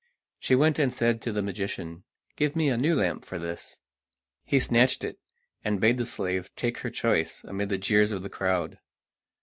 She went and said to the magician: "Give me a new lamp for this." He snatched it and bade the slave take her choice, amid the jeers of the crowd.